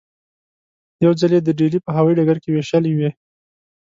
یو ځل یې د ډیلي په هوايي ډګر کې وېشلې وې.